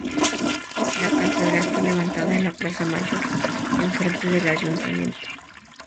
La catedral fue levantada en la plaza mayor, enfrente del ayuntamiento.